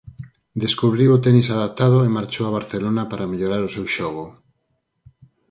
Descubriu o tenis adaptado e marchou a Barcelona para mellorar o seu xogo.